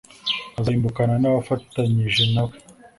azarimbukana n’abafatanyije na we.